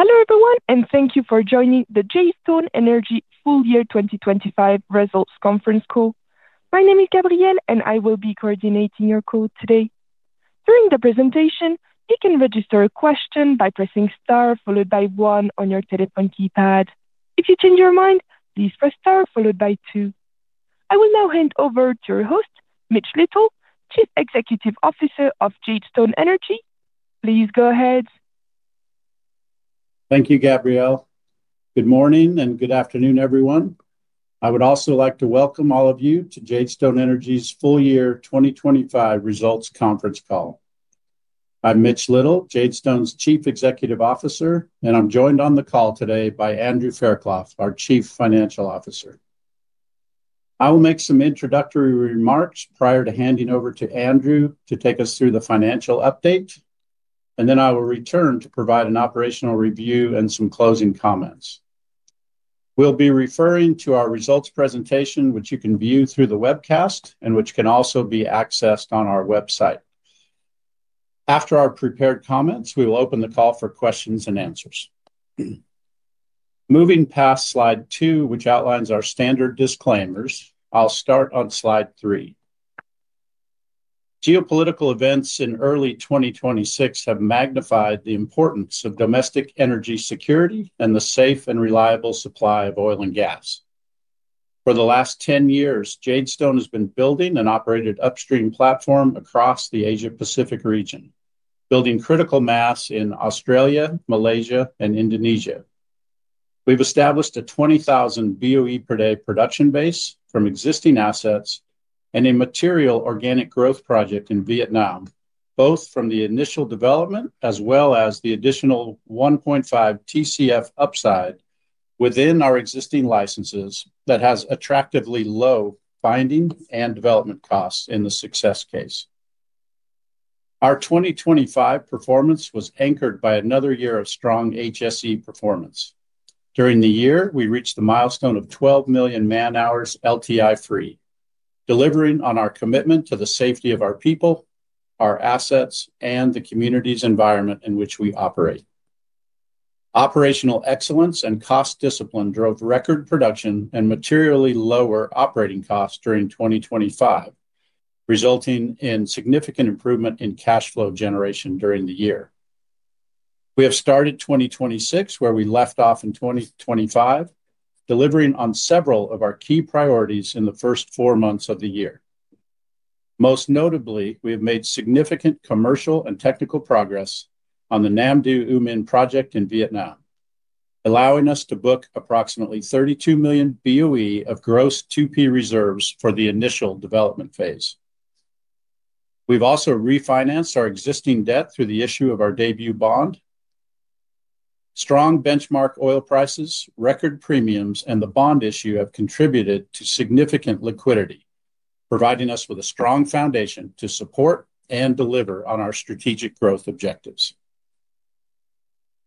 Hello, everyone, and thank you for joining the Jadestone Energy Full Year 2025 Results Conference Call. My name is Gabrielle, and I will be coordinating your call today. During the presentation, you can register a question by pressing Star followed by one on your telephone keypad. If you change your mind, please press Star followed by two. I will now hand over to your host, Mitch Little, Chief Executive Officer of Jadestone Energy. Please go ahead. Thank you, Gabrielle. Good morning and good afternoon, everyone. I would also like to welcome all of you to Jadestone Energy's full-year 2025 results conference call. I'm Mitch Little, Jadestone's Chief Executive Officer, and I'm joined on the call today by Andrew Fairclough, our Chief Financial Officer. I will make some introductory remarks prior to handing over to Andrew to take us through the financial update, then I will return to provide an operational review and some closing comments. We'll be referring to our results presentation, which you can view through the webcast and which can also be accessed on our website. After our prepared comments, we will open the call for questions and answers. Moving past slide two, which outlines our standard disclaimers, I'll start on slide three. Geopolitical events in early 2026 have magnified the importance of domestic energy security and the safe and reliable supply of oil and gas. For the last 10 years, Jadestone has been building and operating upstream platform across the Asia-Pacific region, building critical mass in Australia, Malaysia, and Indonesia. We've established a 20,000 BOE per day production base from existing assets and a material organic growth project in Vietnam, both from the initial development as well as the additional 1.5 TCF upside within our existing licenses that has attractively low finding and development costs in the success case. Our 2025 performance was anchored by another year of strong HSE performance. During the year, we reached the milestone of 12 million man-hours LTI-free, delivering on our commitment to the safety of our people, our assets, and the communities environment in which we operate. Operational excellence and cost discipline drove record production and materially lower operating costs during 2025, resulting in significant improvement in cash flow generation during the year. We have started 2026 where we left off in 2025, delivering on several of our key priorities in the first four months of the year. Most notably, we have made significant commercial and technical progress on the Nam Du U Minh project in Vietnam, allowing us to book approximately 32 million BOE of gross 2P reserves for the initial development phase. We've also refinanced our existing debt through the issue of our debut bond. Strong benchmark oil prices, record premiums, and the bond issue have contributed to significant liquidity, providing us with a strong foundation to support and deliver on our strategic growth objectives.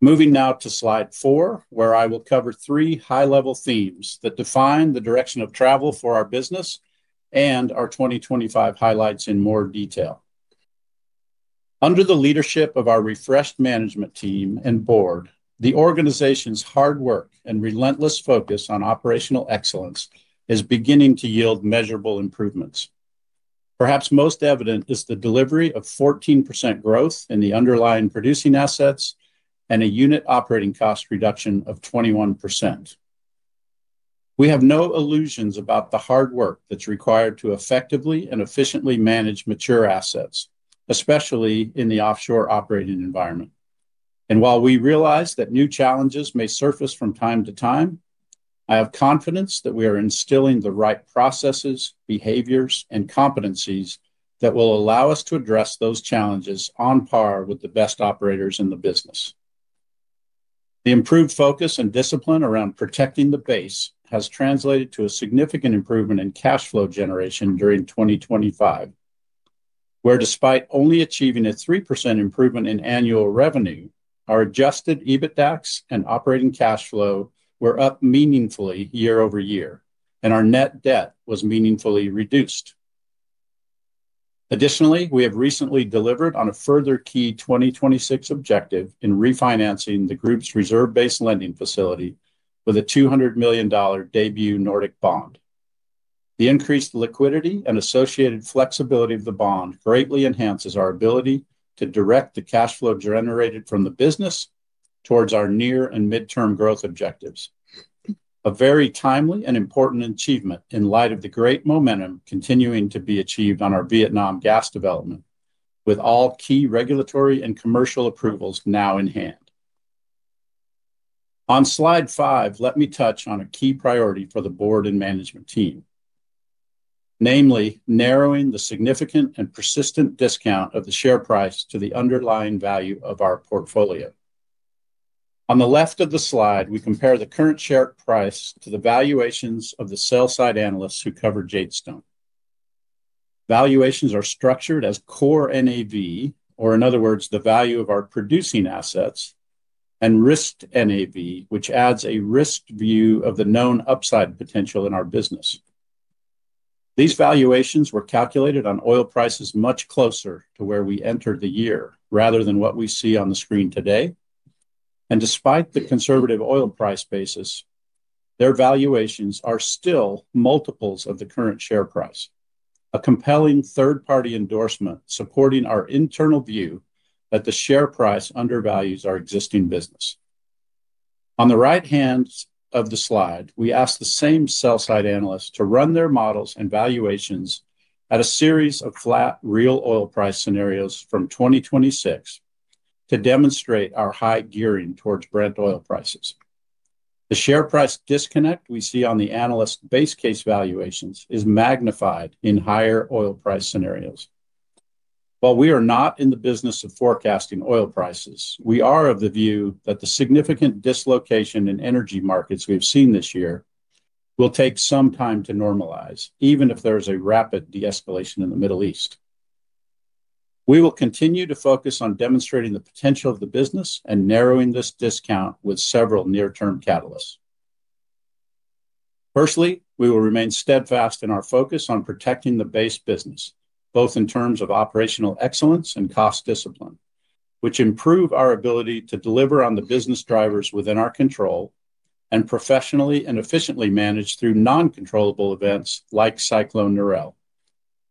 Moving now to slide four, where I will cover three high-level themes that define the direction of travel for our business and our 2025 highlights in more detail. Under the leadership of our refreshed management team and board, the organization's hard work and relentless focus on operational excellence is beginning to yield measurable improvements. Perhaps most evident is the delivery of 14% growth in the underlying producing assets and a unit operating cost reduction of 21%. We have no illusions about the hard work that's required to effectively and efficiently manage mature assets, especially in the offshore operating environment, and while we realize that new challenges may surface from time to time, I have confidence that we are instilling the right processes, behaviors, and competencies that will allow us to address those challenges on par with the best operators in the business. The improved focus and discipline around protecting the base has translated to a significant improvement in cash flow generation during 2025, where despite only achieving a 3% improvement in annual revenue, our adjusted EBITDAX and operating cash flow were up meaningfully year-over-year, and our net debt was meaningfully reduced. Additionally, we have recently delivered on a further key 2026 objective in refinancing the group's reserve-based lending facility with a $200 million debut Nordic Bond. The increased liquidity and associated flexibility of the bond greatly enhances our ability to direct the cash flow generated from the business towards our near and midterm growth objectives. A very timely and important achievement in light of the great momentum continuing to be achieved on our Vietnam gas development, with all key regulatory and commercial approvals now in hand. On slide five, let me touch on a key priority for the board and management team. Namely, narrowing the significant and persistent discount of the share price to the underlying value of our portfolio. On the left of the slide, we compare the current share price to the valuations of the sell-side analysts who cover Jadestone. Valuations are structured as core NAV, or in other words, the value of our producing assets, and risked NAV, which adds a risked view of the known upside potential in our business. These valuations were calculated on oil prices much closer to where we entered the year, rather than what we see on the screen today, and despite the conservative oil price basis, their valuations are still multiples of the current share price. A compelling third-party endorsement supporting our internal view that the share price undervalues our existing business. On the right-hand of the slide, we ask the same sell-side analyst to run their models and valuations at a series of flat real oil price scenarios from 2026 to demonstrate our high gearing towards Brent oil prices. The share price disconnect we see on the analyst base case valuations is magnified in higher oil price scenarios. While we are not in the business of forecasting oil prices, we are of the view that the significant dislocation in energy markets we've seen this year will take some time to normalize, even if there is a rapid de-escalation in the Middle East. We will continue to focus on demonstrating the potential of the business and narrowing this discount with several near-term catalysts. Firstly, we will remain steadfast in our focus on protecting the base business, both in terms of operational excellence and cost discipline, which improve our ability to deliver on the business drivers within our control and professionally and efficiently manage through non-controllable events like Cyclone Narelle,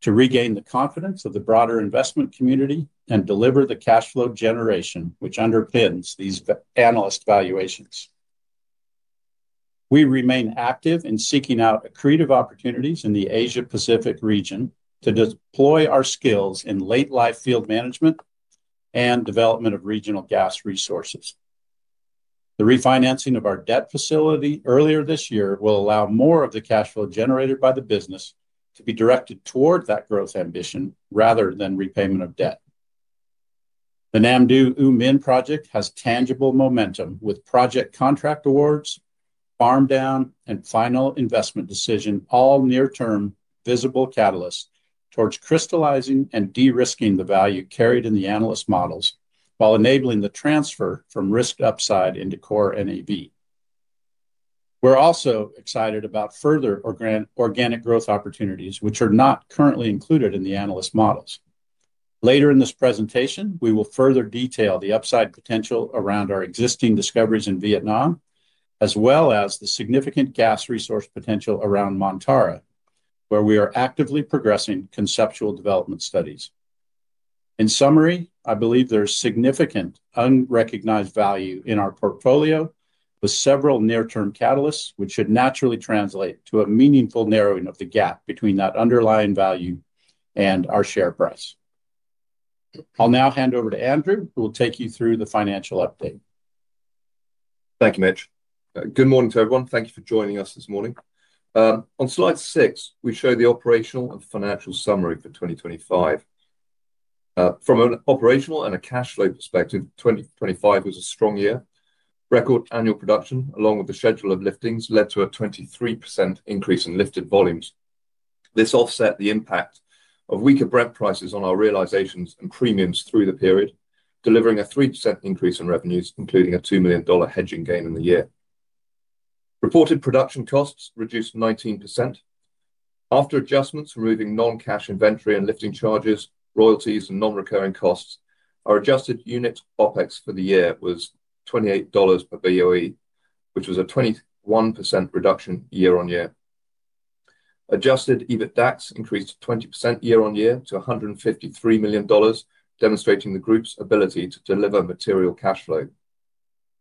to regain the confidence of the broader investment community and deliver the cash flow generation which underpins these analyst valuations. We remain active in seeking out accretive opportunities in the Asia Pacific region to deploy our skills in late-life field management and development of regional gas resources. The refinancing of our debt facility earlier this year will allow more of the cash flow generated by the business to be directed toward that growth ambition rather than repayment of debt. The Nam Du U Minh project has tangible momentum with project contract awards, farm down, and final investment decision, all near-term visible catalysts towards crystallizing and de-risking the value carried in the analyst models while enabling the transfer from risked upside into core NAV. We're also excited about further organic growth opportunities, which are not currently included in the analyst models. Later in this presentation, we will further detail the upside potential around our existing discoveries in Vietnam, as well as the significant gas resource potential around Montara, where we are actively progressing conceptual development studies. In summary, I believe there's significant unrecognized value in our portfolio with several near-term catalysts, which should naturally translate to a meaningful narrowing of the gap between that underlying value and our share price. I'll now hand over to Andrew, who will take you through the financial update. Thank you, Mitch. Good morning to everyone. Thank you for joining us this morning. On slide six, we show the operational and financial summary for 2025. From an operational and a cash flow perspective, 2025 was a strong year. Record annual production, along with the schedule of liftings, led to a 23% increase in lifted volumes. This offset the impact of weaker Brent prices on our realizations and premiums through the period, delivering a 3% increase in revenues, including a $2 million hedging gain in the year. Reported production costs reduced 19%. After adjustments, removing non-cash inventory and lifting charges, royalties, and non-recurring costs, our adjusted unit OpEx for the year was $28 per BOE, which was a 21% reduction year on year. Adjusted EBITDAX increased 20% year-on-year to $153 million, demonstrating the group's ability to deliver material cash flow.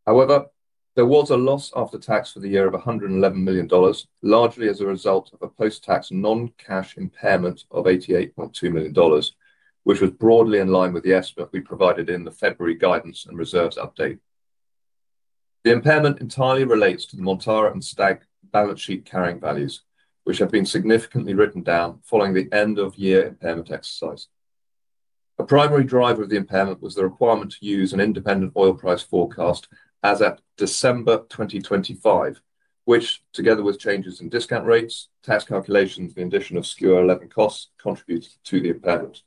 However, there was a loss after tax for the year of $111 million, largely as a result of a post-tax non-cash impairment of $88.2 million, which was broadly in line with the estimate we provided in the February guidance and reserves update. The impairment entirely relates to the Montara and Stag balance sheet carrying values, which have been significantly written down following the end-of-year impairment exercise. A primary driver of the impairment was the requirement to use an independent oil price forecast as at December 2025, which, together with changes in discount rates, tax calculations, the addition of Skua-11 costs, contributed to the impairment.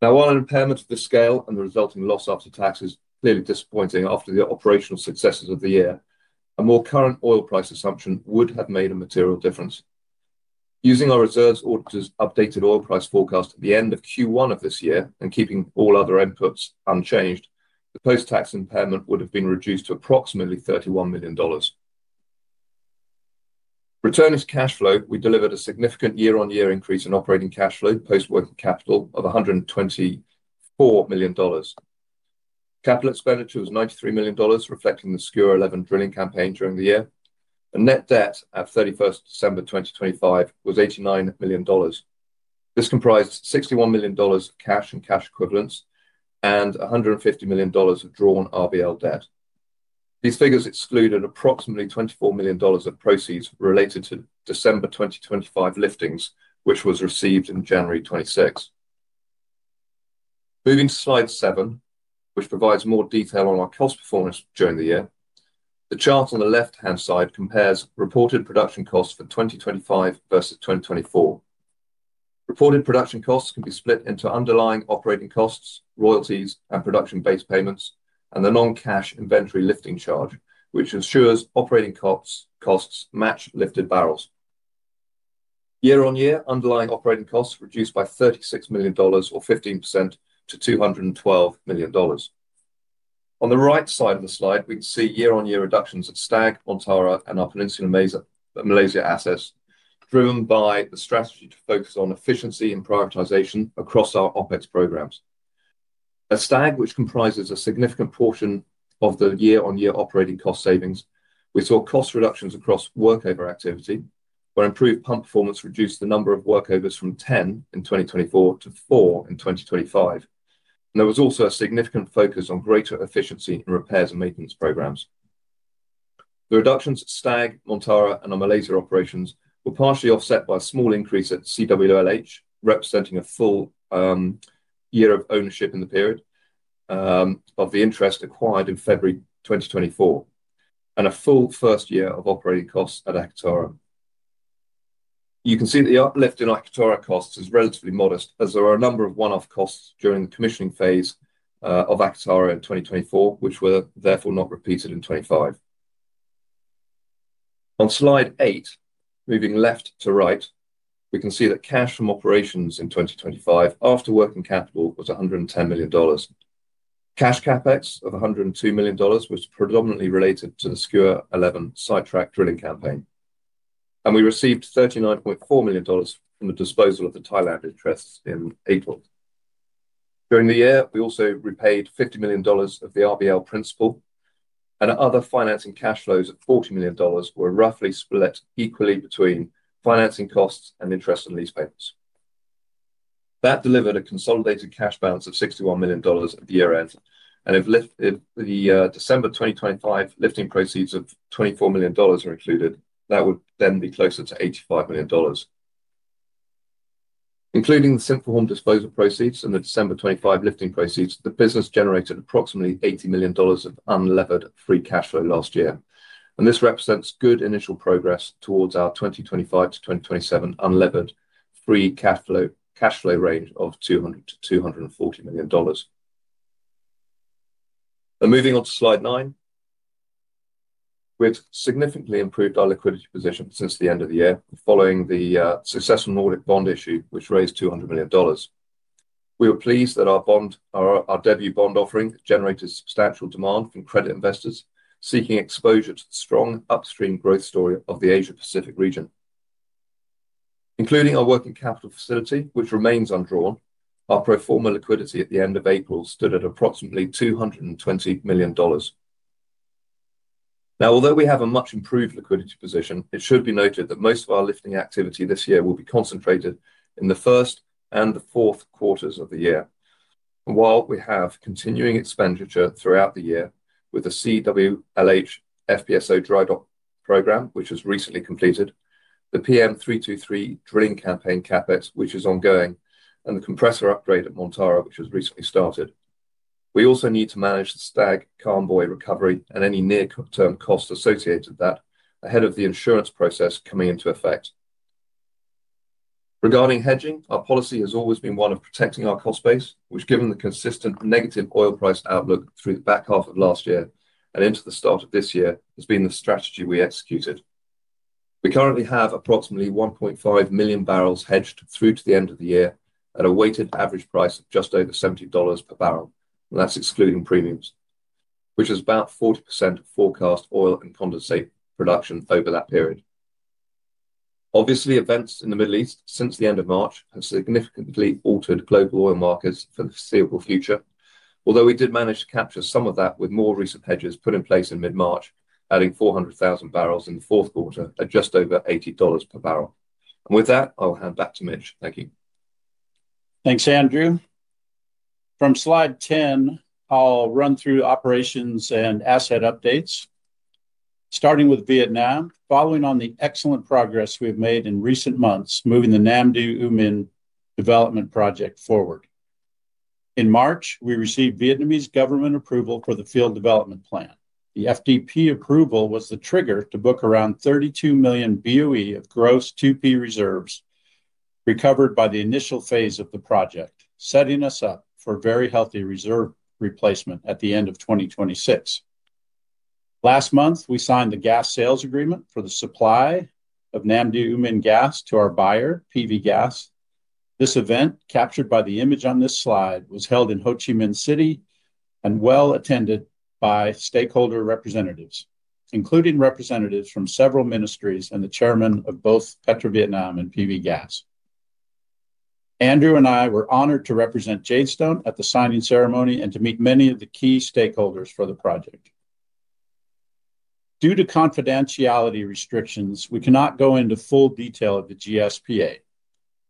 While an impairment of the scale and the resulting loss after tax is clearly disappointing after the operational successes of the year, a more current oil price assumption would have made a material difference. Using our reserves auditor's updated oil price forecast at the end of Q1 of this year and keeping all other inputs unchanged, the post-tax impairment would have been reduced to approximately $31 million. Return as cash flow, we delivered a significant year-on-year increase in operating cash flow, post-working capital of $124 million. Capital expenditure was $93 million, reflecting the Skua 11 drilling campaign during the year, and the net debt at 31st December 2025 was $89 million. This comprised $61 million of cash and cash equivalents and $150 million of drawn RBL debt. These figures excluded approximately $24 million of proceeds related to December 2025 liftings, which was received in January 2026. Moving to slide seven, which provides more detail on our cost performance during the year. The chart on the left-hand side compares reported production costs for 2025 versus 2024. Reported production costs can be split into underlying operating costs, royalties, and production-based payments, and the non-cash inventory lifting charge, which ensures operating costs match lifted barrels. Year on year, underlying operating costs reduced by $36 million or 15% to $212 million. On the right side of the slide, we can see year-on-year reductions at Stag, Montara, and our Peninsular Malaysia assets, driven by the strategy to focus on efficiency and prioritization across our OpEx programs. At Stag, which comprises a significant portion of the year-on-year operating cost savings, we saw cost reductions across workover activity, where improved pump performance reduced the number of workovers from 10 in 2024 to four in 2025, and there was also a significant focus on greater efficiency in repairs and maintenance programs. The reductions at Stag, Montara, and our Malaysia operations were partially offset by a small increase at CWLH, representing a full year of ownership in the period of the interest acquired in February 2024, and a full first year of operating costs at Akatara. You can see that the uplift in Akatara costs is relatively modest, as there are a number of one-off costs during the commissioning phase of Akatara in 2024, which were therefore not repeated in 2025. On slide eight, moving left to right, we can see that cash from operations in 2025, after working capital was $110 million. Cash CapEx of $102 million was predominantly related to the Skua-11 sidetrack drilling campaign, and we received $39.4 million from the disposal of the Thailand interests in April. During the year, we also repaid $50 million of the RBL principal, and other financing cash flows of $40 million were roughly split equally between financing costs and interest and lease payments. That delivered a consolidated cash balance of $61 million at the year-end, and if the December 2025 lifting proceeds of $24 million are included, that would then be closer to $85 million. Including the Sinphuhorm disposal proceeds and the December 25 lifting proceeds, the business generated approximately $80 million of unlevered free cash flow last year, and this represents good initial progress towards our 2025 to 2027 unlevered free cash flow range of $200 million-$240 million. Moving on to slide nine, we've significantly improved our liquidity position since the end of the year following the successful Nordic Bond issue, which raised $200 million. We were pleased that our debut bond offering generated substantial demand from credit investors seeking exposure to the strong upstream growth story of the Asia-Pacific region. Including our working capital facility, which remains undrawn, our pro forma liquidity at the end of April stood at approximately $220 million. Now, although we have a much improved liquidity position, it should be noted that most of our lifting activity this year will be concentrated in the Q3 and the Q4 of the year. While we have continuing expenditure throughout the year with the CWLH FPSO dry dock program, which was recently completed, the PM-323 drilling campaign CapEx, which is ongoing, and the compressor upgrade at Montara, which has recently started. We also need to manage the Stag CALM buoy recovery and any near-term costs associated with that ahead of the insurance process coming into effect. Regarding hedging, our policy has always been one of protecting our cost base, which given the consistent negative oil price outlook through the back half of last year and into the start of this year, has been the strategy we executed. We currently have approximately 1.5 million barrels hedged through to the end of the year at a weighted average price of just over $70 per barrel. That's excluding premiums, which is about 40% of forecast oil and condensate production over that period. Obviously, events in the Middle East since the end of March have significantly altered global oil markets for the foreseeable future. Although we did manage to capture some of that with more recent hedges put in place in mid-March, adding 400,000 barrels in the Q4 at just over $80 per barrel. With that, I'll hand back to Mitch. Thank you. Thanks, Andrew. From slide 10, I'll run through operations and asset updates, starting with Vietnam, following on the excellent progress we have made in recent months, moving the Nam Du U Minh development project forward. In March, we received Vietnamese government approval for the field development plan. The FDP approval was the trigger to book around 32 million BOE of gross 2P reserves recovered by the initial phase of the project, setting us up for very healthy reserve replacement at the end of 2026. Last month, we signed the gas sales agreement for the supply of Nam Du U Minh gas to our buyer, PV Gas. This event, captured by the image on this slide, was held in Ho Chi Minh City and well attended by stakeholder representatives, including representatives from several ministries and the chairman of both PetroVietnam and PV Gas. Andrew and I were honored to represent Jadestone at the signing ceremony and to meet many of the key stakeholders for the project. Due to confidentiality restrictions, we cannot go into full detail of the GSPA,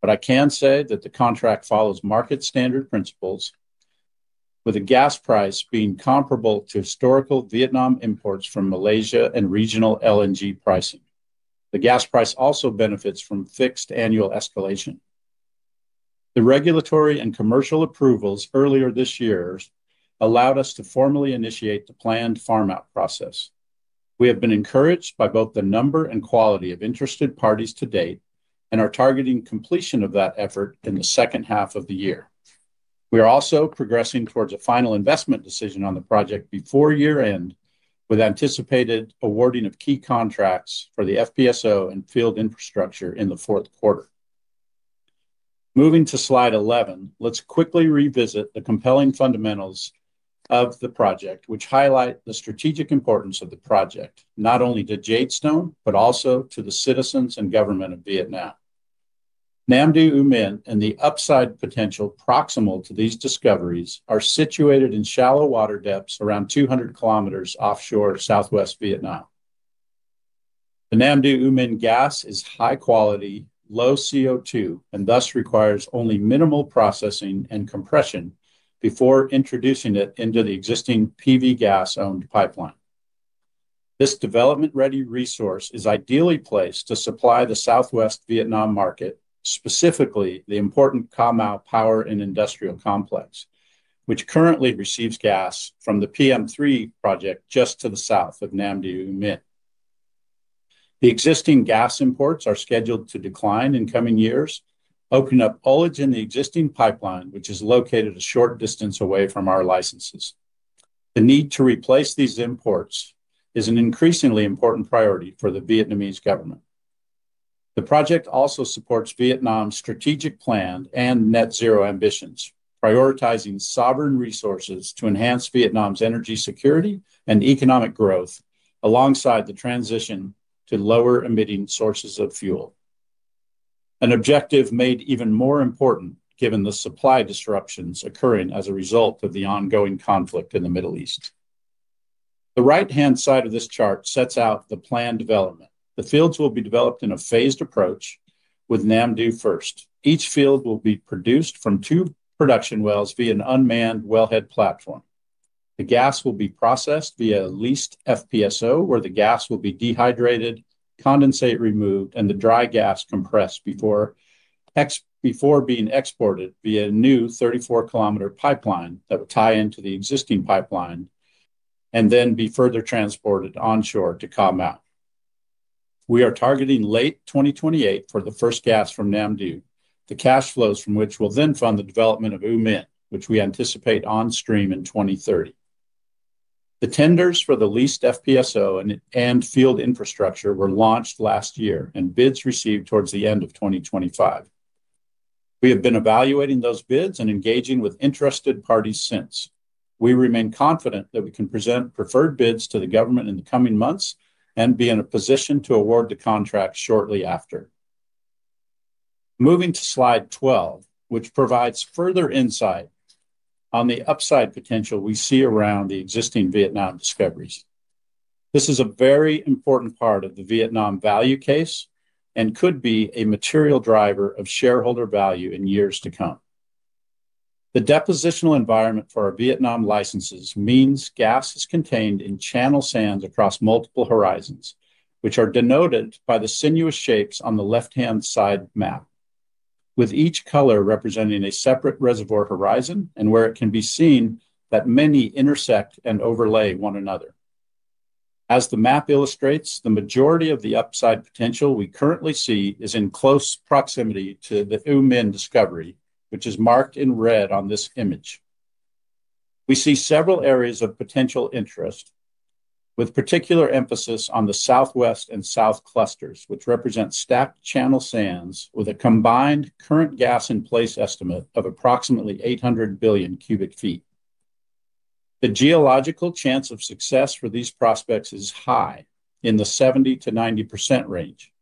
but I can say that the contract follows market standard principles, with a gas price being comparable to historical Vietnam imports from Malaysia and regional LNG pricing. The gas price also benefits from fixed annual escalation. The regulatory and commercial approvals earlier this year allowed us to formally initiate the planned farm-out process. We have been encouraged by both the number and quality of interested parties to date, and are targeting completion of that effort in the H2 of the year. We are also progressing towards a final investment decision on the project before year-end, with anticipated awarding of key contracts for the FPSO and field infrastructure in the Q4. Moving to slide 11, let's quickly revisit the compelling fundamentals of the project, which highlight the strategic importance of the project, not only to Jadestone, but also to the citizens and government of Vietnam. Nam Du/U Minh and the upside potential proximal to these discoveries are situated in shallow water depths around 200 km offshore southwest Vietnam. The Nam Du/U Minh gas is high quality, low CO2, and thus requires only minimal processing and compression before introducing it into the existing PV Gas-owned pipeline. This development-ready resource is ideally placed to supply the southwest Vietnam market, specifically the important Ca Mau Power and Industrial Complex, which currently receives gas from the PM3 project just to the south of Nam Du/U Minh. The existing gas imports are scheduled to decline in coming years, opening up ullage in the existing pipeline, which is located a short distance away from our licenses. The need to replace these imports is an increasingly important priority for the Vietnamese government. The project also supports Vietnam's strategic plan and net zero ambitions, prioritizing sovereign resources to enhance Vietnam's energy security and economic growth alongside the transition to lower-emitting sources of fuel. An objective made even more important given the supply disruptions occurring as a result of the ongoing conflict in the Middle East. The right-hand side of this chart sets out the plan development. The fields will be developed in a phased approach, with Nam Du first. Each field will be produced from two production wells via an unmanned wellhead platform. The gas will be processed via leased FPSO, where the gas will be dehydrated, condensate removed, and the dry gas compressed before being exported via a new 34-km pipeline that will tie into the existing pipeline and then be further transported onshore to Ca Mau. We are targeting late 2028 for the first gas from Nam Du. The cash flows from which will fund the development of U Minh, which we anticipate on stream in 2030. The tenders for the leased FPSO and field infrastructure were launched last year and bids received towards the end of 2025. We have been evaluating those bids and engaging with interested parties since. We remain confident that we can present preferred bids to the government in the coming months and be in a position to award the contract shortly after. Moving to slide 12, which provides further insight on the upside potential we see around the existing Vietnam discoveries. This is a very important part of the Vietnam value case and could be a material driver of shareholder value in years to come. The depositional environment for our Vietnam licenses means gas is contained in channel sands across multiple horizons, which are denoted by the sinuous shapes on the left-hand side map, with each color representing a separate reservoir horizon and where it can be seen that many intersect and overlay one another. As the map illustrates, the majority of the upside potential we currently see is in close proximity to the U Minh discovery, which is marked in red on this image. We see several areas of potential interest, with particular emphasis on the southwest and south clusters, which represent stacked channel sands with a combined current gas in place estimate of approximately 800 billion cubic feet. The geological chance of success for these prospects is high, in the 70%-90% range,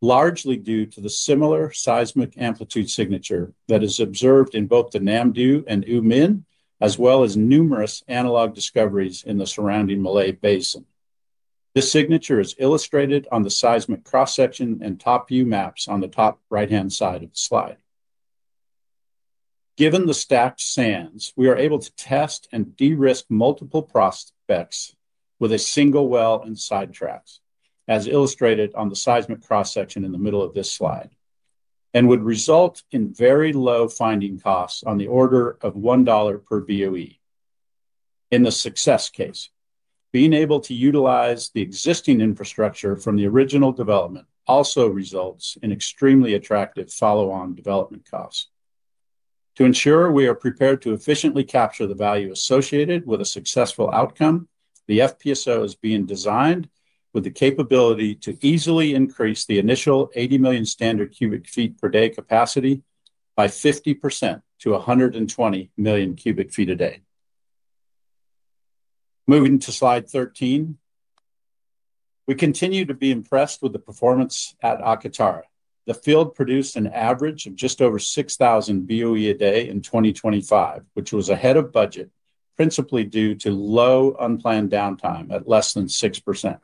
largely due to the similar seismic amplitude signature that is observed in both the Nam Du and U Minh, as well as numerous analog discoveries in the surrounding Malay Basin. This signature is illustrated on the seismic cross-section and top view maps on the top right-hand side of the slide. Given the stacked sands, we are able to test and de-risk multiple prospects with a single well and sidetracks, as illustrated on the seismic cross-section in the middle of this slide, and would result in very low finding costs on the order of $1 per BOE. In the success case, being able to utilize the existing infrastructure from the original development also results in extremely attractive follow-on development costs. To ensure we are prepared to efficiently capture the value associated with a successful outcome, the FPSO is being designed with the capability to easily increase the initial 80 million standard cubic feet per day capacity by 50% to 120 million cu ft a day. Moving to slide 13. We continue to be impressed with the performance at Akatara. The field produced an average of just over 6,000 BOE a day in 2025, which was ahead of budget, principally due to low unplanned downtime at less than 6%.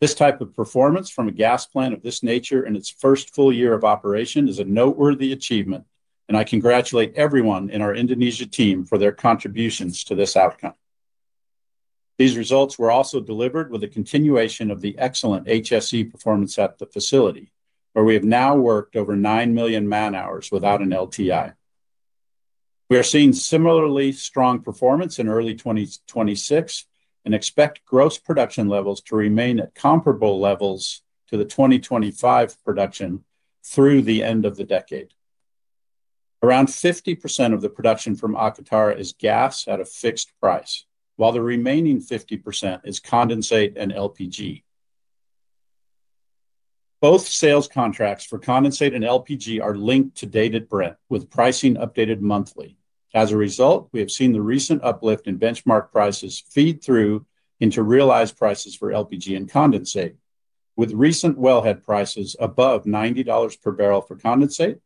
This type of performance from a gas plant of this nature in its first full year of operation is a noteworthy achievement. I congratulate everyone in our Indonesia team for their contributions to this outcome. These results were also delivered with a continuation of the excellent HSE performance at the facility, where we have now worked over 9 million man-hours without an LTI. We are seeing similarly strong performance in early 2026 and expect gross production levels to remain at comparable levels to the 2025 production through the end of the decade. Around 50% of the production from Akatara is gas at a fixed price, while the remaining 50% is condensate and LPG. Both sales contracts for condensate and LPG are linked to dated Brent with pricing updated monthly. As a result, we have seen the recent uplift in benchmark prices feed through into realized prices for LPG and condensate. With recent wellhead prices above $90 per barrel for condensate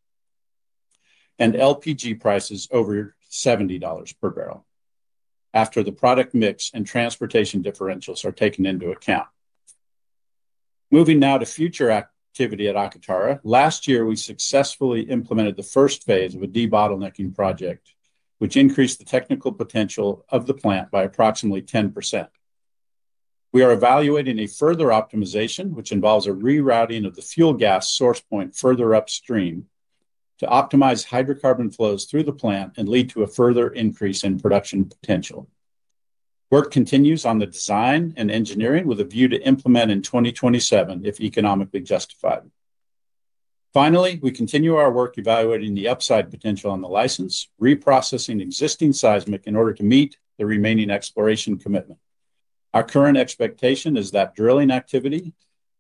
and LPG prices over $70 per barrel after the product mix and transportation differentials are taken into account. Moving now to future activity at Akatara. Last year, we successfully implemented the first phase of a debottlenecking project, which increased the technical potential of the plant by approximately 10%. We are evaluating a further optimization, which involves a rerouting of the fuel gas source point further upstream to optimize hydrocarbon flows through the plant and lead to a further increase in production potential. Work continues on the design and engineering with a view to implement in 2027 if economically justified. Finally, we continue our work evaluating the upside potential on the license, reprocessing existing seismic in order to meet the remaining exploration commitment. Our current expectation is that drilling activity,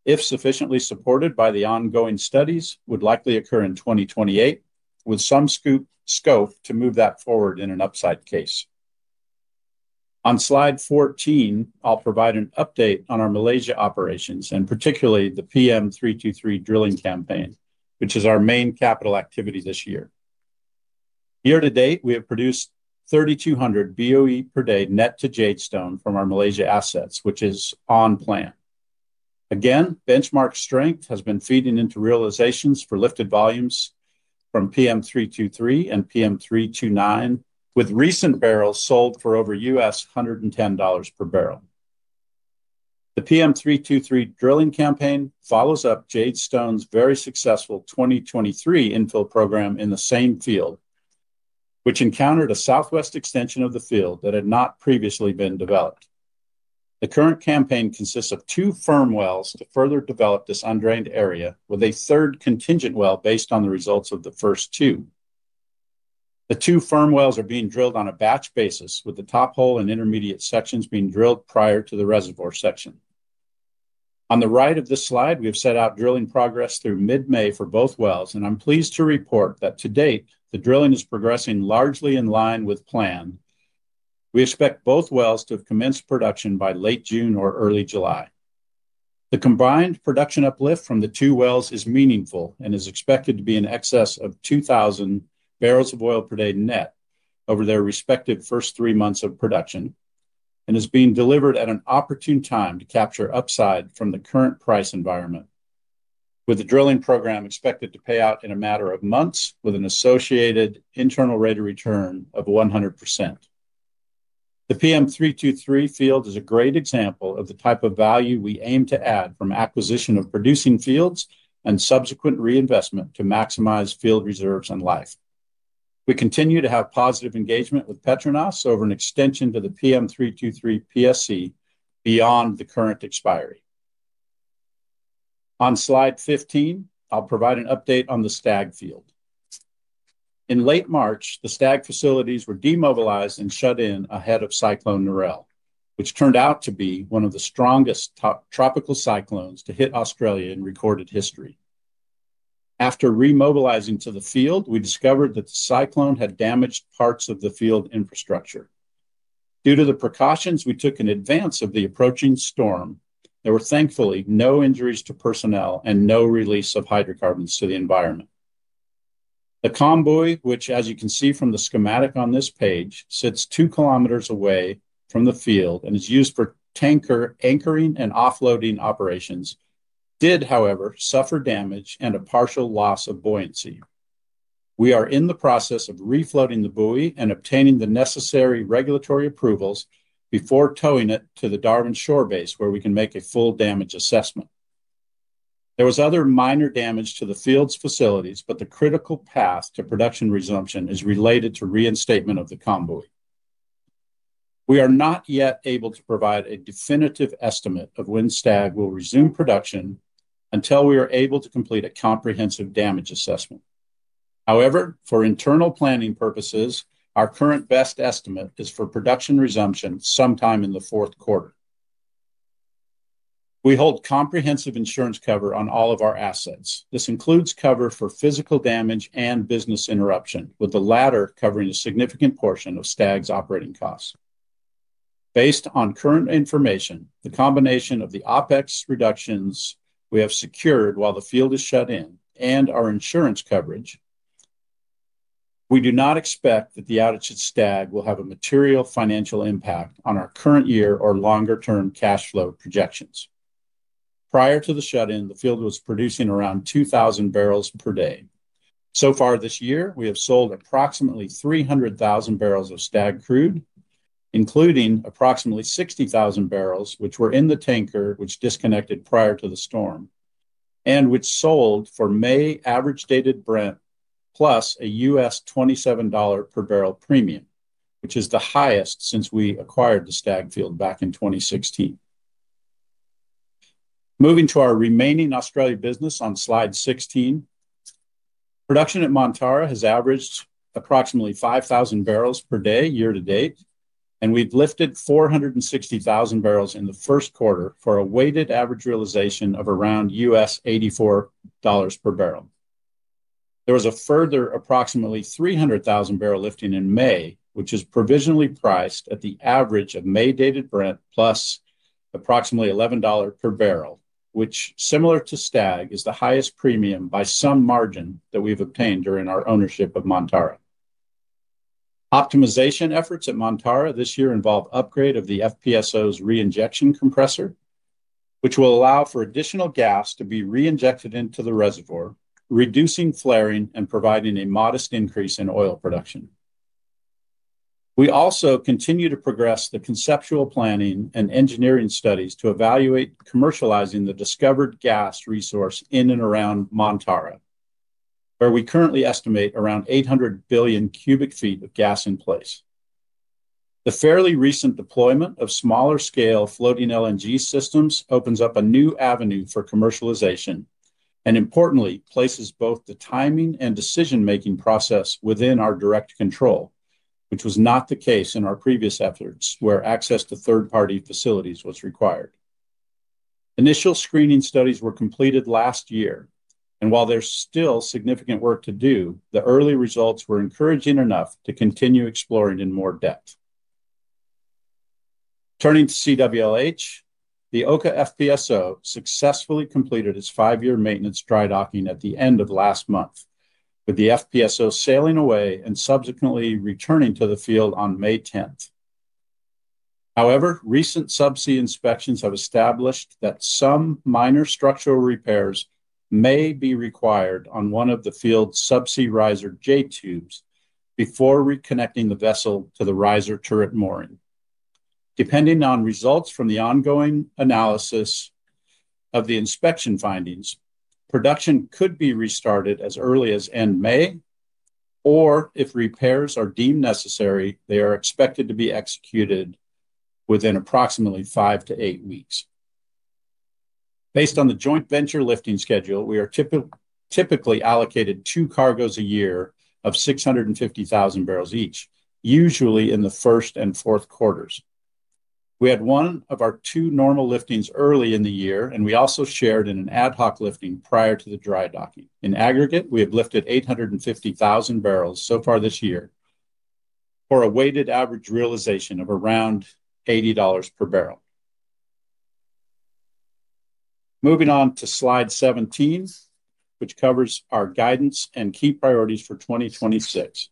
if sufficiently supported by the ongoing studies, would likely occur in 2028, with some scope to move that forward in an upside case. On slide 14, I'll provide an update on our Malaysia operations and particularly the PM 323 drilling campaign, which is our main capital activity this year. Year to date, we have produced 3,200 BOE per day net to Jadestone from our Malaysia assets, which is on plan. Again, benchmark strength has been feeding into realizations for lifted volumes from PM 323 and PM 329, with recent barrels sold for over US $110 per barrel. The PM 323 drilling campaign follows up Jadestone's very successful 2023 infill program in the same field, which encountered a southwest extension of the field that had not previously been developed. The current campaign consists of two firm wells to further develop this undrained area with a third contingent well based on the results of the first two. The two firm wells are being drilled on a batch basis, with the top hole and intermediate sections being drilled prior to the reservoir section. On the right of this slide, we have set out drilling progress through mid-May for both wells, and I'm pleased to report that to date, the drilling is progressing largely in line with plan. We expect both wells to have commenced production by late June or early July. The combined production uplift from the two wells is meaningful and is expected to be in excess of 2,000 bbls of oil per day net over their respective first three months of production, and is being delivered at an opportune time to capture upside from the current price environment. With the drilling program expected to pay out in a matter of months with an associated internal rate of return of 100%. The PM 323 field is a great example of the type of value we aim to add from acquisition of producing fields and subsequent reinvestment to maximize field reserves and life. We continue to have positive engagement with PETRONAS over an extension to the PM 323 PSC beyond the current expiry. On slide 15, I'll provide an update on the Stag field. In late March, the Stag facilities were demobilized and shut in ahead of Cyclone Narelle, which turned out to be one of the strongest tropical cyclones to hit Australia in recorded history. After remobilizing to the field, we discovered that the cyclone had damaged parts of the field infrastructure. Due to the precautions we took in advance of the approaching storm, there were thankfully no injuries to personnel and no release of hydrocarbons to the environment. The CALM buoy, which as you can see from the schematic on this page, sits 2 km away from the field and is used for tanker anchoring and offloading operations, did, however, suffer damage and a partial loss of buoyancy. We are in the process of refloating the buoy and obtaining the necessary regulatory approvals before towing it to the Darwin shore base, where we can make a full damage assessment. There was other minor damage to the field's facilities, but the critical path to production resumption is related to reinstatement of the CALM buoy. We are not yet able to provide a definitive estimate of when Stag will resume production until we are able to complete a comprehensive damage assessment. However, for internal planning purposes, our current best estimate is for production resumption sometime in the Q4. We hold comprehensive insurance cover on all of our assets. This includes cover for physical damage and business interruption, with the latter covering a significant portion of Stag's operating costs. Based on current information, the combination of the OpEx reductions we have secured while the field is shut in and our insurance coverage, we do not expect that the outage at Stag will have a material financial impact on our current year or longer-term cash flow projections. Prior to the shut in, the field was producing around 2,000 bbls per day. Far this year, we have sold approximately 300,000 bbls of Stag crude, including approximately 60,000 bbls, which were in the tanker which disconnected prior to the storm. Which sold for May average dated Brent, plus a $27 per barrel premium, which is the highest since we acquired the Stag Field back in 2016. Moving to our remaining Australia business on slide 16. Production at Montara has averaged approximately 5,000 bbls per day year to date, and we've lifted 460,000 bbls in the Q1 for a weighted average realization of around $84 per bbl. There was a further approximately 300,000 bbl lifting in May, which is provisionally priced at the average of May dated Brent plus approximately $11 per bbl, which similar to Stag, is the highest premium by some margin that we've obtained during our ownership of Montara. Optimization efforts at Montara this year involve upgrade of the FPSO's reinjection compressor, which will allow for additional gas to be reinjected into the reservoir, reducing flaring and providing a modest increase in oil production. We also continue to progress the conceptual planning and engineering studies to evaluate commercializing the discovered gas resource in and around Montara, where we currently estimate around 800 billion cu ft of gas in place. The fairly recent deployment of smaller scale floating LNG systems opens up a new avenue for commercialization, and importantly, places both the timing and decision-making process within our direct control, which was not the case in our previous efforts where access to third-party facilities was required. Initial screening studies were completed last year, and while there's still significant work to do, the early results were encouraging enough to continue exploring in more depth. Turning to CWLH, the Okha FPSO successfully completed its five-year maintenance dry docking at the end of last month, with the FPSO sailing away and subsequently returning to the field on May 10th. However, recent subsea inspections have established that some minor structural repairs may be required on one of the field's subsea riser J-tubes before reconnecting the vessel to the riser turret mooring. Depending on results from the ongoing analysis of the inspection findings, production could be restarted as early as end May, or if repairs are deemed necessary, they are expected to be executed within approximately five to eight weeks. Based on the joint venture lifting schedule, we are typically allocated two cargos a year of 650,000 bbls each, usually in the Q1 and Q4. We had one of our two normal liftings early in the year, and we also shared in an ad hoc lifting prior to the dry docking. In aggregate, we have lifted 850,000 bbls so far this year for a weighted average realization of around $80 per bbl. Moving on to slide 17, which covers our guidance and key priorities for 2026.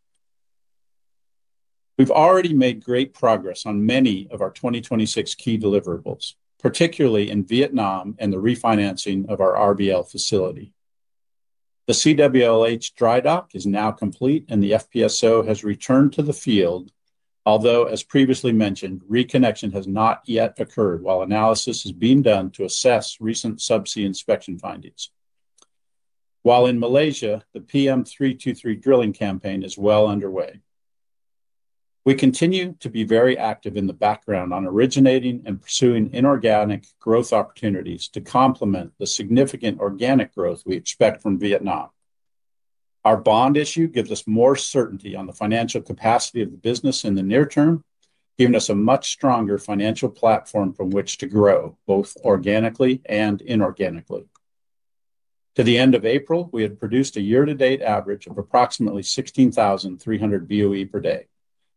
We've already made great progress on many of our 2026 key deliverables, particularly in Vietnam and the refinancing of our RBL facility. The CWLH dry dock is now complete and the FPSO has returned to the field, although, as previously mentioned, reconnection has not yet occurred while analysis is being done to assess recent subsea inspection findings. While in Malaysia, the PM-323 drilling campaign is well underway. We continue to be very active in the background on originating and pursuing inorganic growth opportunities to complement the significant organic growth we expect from Vietnam. Our bond issue gives us more certainty on the financial capacity of the business in the near term, giving us a much stronger financial platform from which to grow, both organically and inorganically. To the end of April, we had produced a year to date average of approximately 16,300 BOE per day,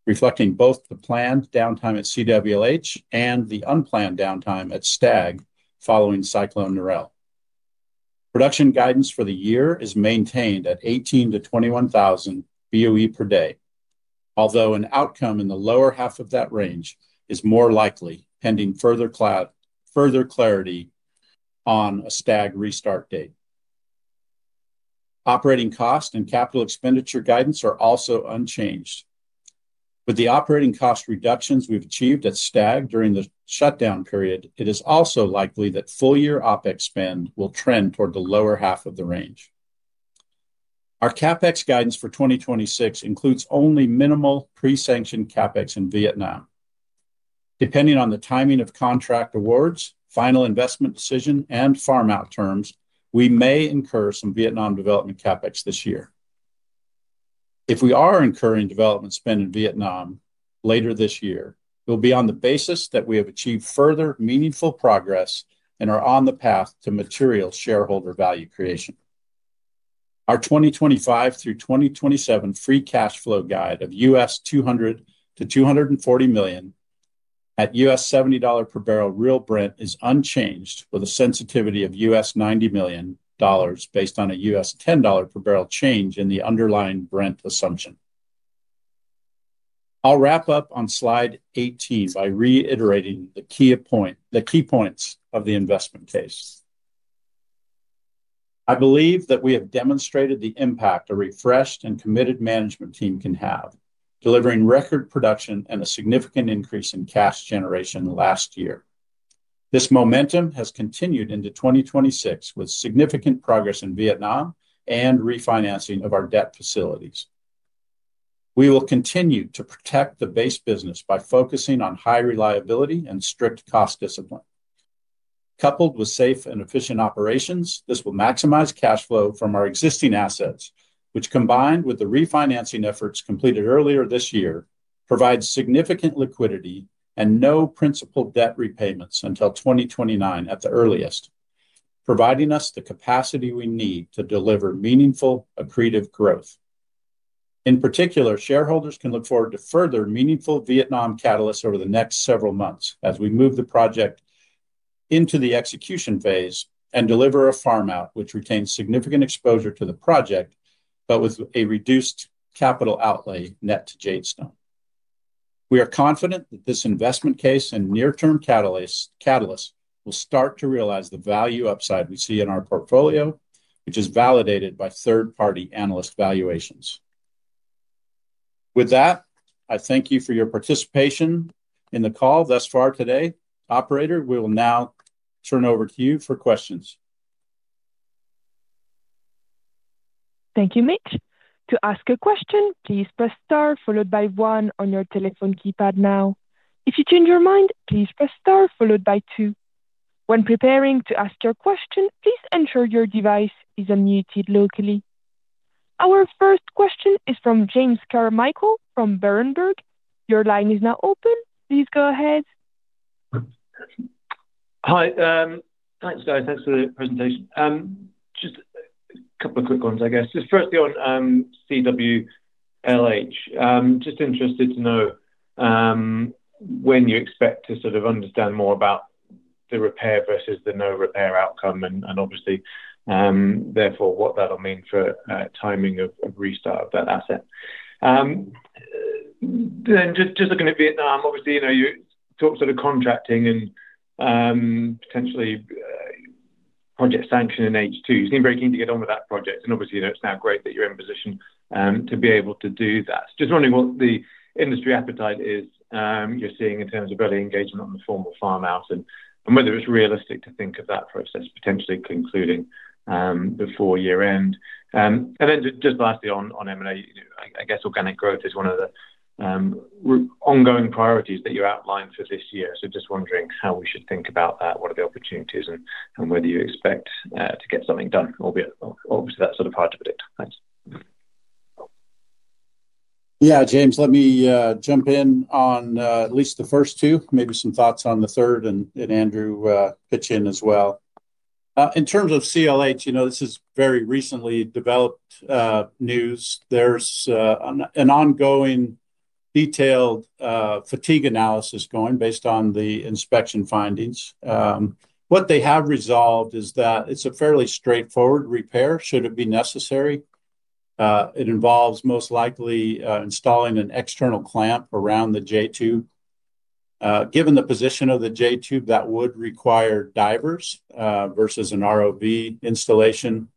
reflecting both the planned downtime at CWLH and the unplanned downtime at Stag following Cyclone Narelle. Production guidance for the year is maintained at 18,000-21,000 BOE per day, although an outcome in the lower half of that range is more likely pending further clarity on a Stag restart date. Operating cost and capital expenditure guidance are also unchanged. With the operating cost reductions we've achieved at Stag during the shutdown period, it is also likely that full-year OpEx spend will trend toward the lower half of the range. Our CapEx guidance for 2026 includes only minimal pre-sanction CapEx in Vietnam. Depending on the timing of contract awards, final investment decision, and farm-out terms, we may incur some Vietnam development CapEx this year. If we are incurring development spend in Vietnam later this year, it will be on the basis that we have achieved further meaningful progress and are on the path to material shareholder value creation. Our 2025 through 2027 free cash flow guide of $200 million-$240 million at $70 per barrel real Brent is unchanged with a sensitivity of $90 million based on a $10 per barrel change in the underlying Brent assumption. I'll wrap up on slide 18 by reiterating the key points of the investment case. I believe that we have demonstrated the impact a refreshed and committed management team can have. Delivering record production and a significant increase in cash generation last year. This momentum has continued into 2026 with significant progress in Vietnam and refinancing of our debt facilities. We will continue to protect the base business by focusing on high reliability and strict cost discipline. Coupled with safe and efficient operations, this will maximize cash flow from our existing assets, which combined with the refinancing efforts completed earlier this year, provides significant liquidity and no principal debt repayments until 2029 at the earliest, providing us the capacity we need to deliver meaningful accretive growth. In particular, shareholders can look forward to further meaningful Vietnam catalysts over the next several months as we move the project into the execution phase and deliver a farm out, which retains significant exposure to the project, but with a reduced capital outlay net to Jadestone. We are confident that this investment case and near term catalyst will start to realize the value upside we see in our portfolio, which is validated by third party analyst valuations. With that, I thank you for your participation in the call thus far today. Operator, we will now turn over to you for questions. Thank you, Mitch. To ask a question, please press star followed by one on your telephone keypad now. If you change your mind, please press star followed by two. When preparing to ask your question, please ensure your device is unmuted locally. Our first question is from James Carmichael from Berenberg. Hi. Thanks, guys. Thanks for the presentation. Just a couple of quick ones, I guess. Just firstly on CWLH. Just interested to know when you expect to sort of understand more about the repair versus the no repair outcome, and obviously, therefore what that'll mean for timing of restart of that asset. Just looking at Vietnam, obviously, you know, you talk sort of contracting and potentially project sanction in H2. You seem very keen to get on with that project, and obviously, you know, it's now great that you're in a position to be able to do that. Just wondering what the industry appetite is you're seeing in terms of really engaging on the formal farm out and whether it's realistic to think of that process potentially concluding before year end. Then just lastly on M&A, you know, I guess organic growth is one of the ongoing priorities that you outlined for this year. Just wondering how we should think about that, what are the opportunities and whether you expect to get something done, albeit obviously that's sort of hard to predict. Thanks. Yeah, James, let me jump in on at least the first two, maybe some thoughts on the third, and Andrew pitch in as well. In terms of CWLH, you know, this is very recently developed news. There's an ongoing detailed fatigue analysis going based on the inspection findings. What they have resolved is that it's a fairly straightforward repair, should it be necessary. It involves most likely installing an external clamp around the J-tube. Given the position of the J-tube, that would require divers versus an ROV installation.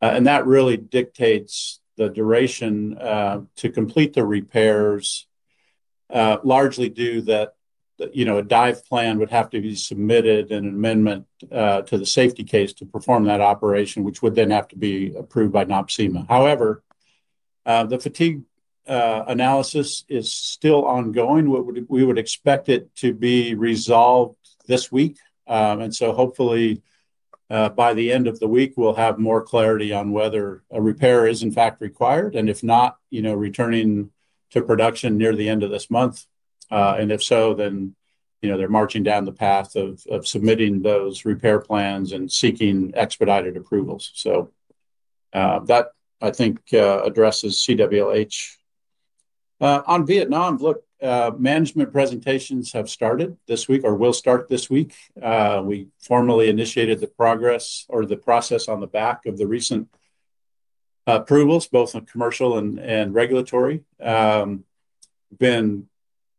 That really dictates the duration to complete the repairs, largely due that, you know, a dive plan would have to be submitted and an amendment to the safety case to perform that operation, which would then have to be approved by NOPSEMA. However, the fatigue analysis is still ongoing. We would expect it to be resolved this week, and hopefully, by the end of the week, we'll have more clarity on whether a repair is in fact required, and if not, you know, returning to production near the end of this month, and if so, you know, they're marching down the path of submitting those repair plans and seeking expedited approvals. That, I think, addresses CWLH. On Vietnam, look, management presentations have started this week or will start this week. We formally initiated the progress or the process on the back of the recent approvals, both on commercial and regulatory. Been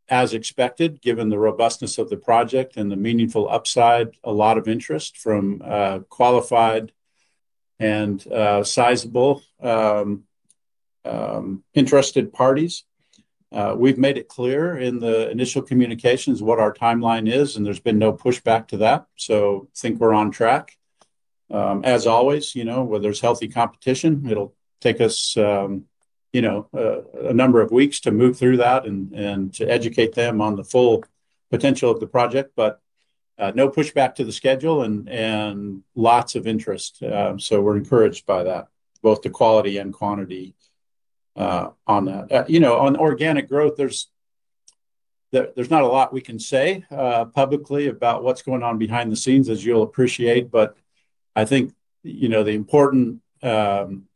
as expected, given the robustness of the project and the meaningful upside, a lot of interest from qualified and sizable interested parties. We've made it clear in the initial communications what our timeline is, and there's been no pushback to that, so I think we're on track. As always, you know, where there's healthy competition, it'll take us, you know, a number of weeks to move through that and to educate them on the full potential of the project, but no pushback to the schedule and lots of interest, so we're encouraged by that, both the quality and quantity on that. You know, on organic growth, there's not a lot we can say publicly about what's going on behind the scenes, as you'll appreciate, but I think, you know, the important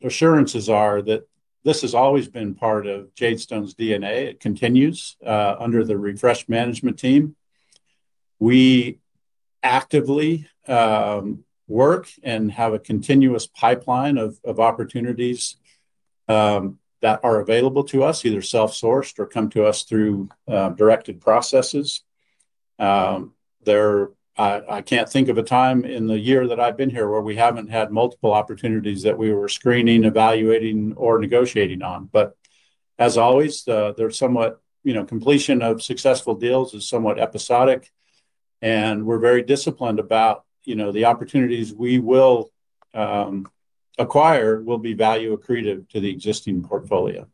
assurances are that this has always been part of Jadestone's DNA. It continues under the refreshed management team. We actively work and have a continuous pipeline of opportunities that are available to us, either self-sourced or come to us through directed processes. There, I can't think of a time in the year that I've been here where we haven't had multiple opportunities that we were screening, evaluating, or negotiating on, but as always, there's somewhat, you know, completion of successful deals is somewhat episodic, and we're very disciplined about, you know, the opportunities we will acquire will be value accretive to the existing portfolio.